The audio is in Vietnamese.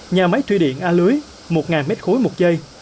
nhà máy thủy điện a lưới một m ba một giây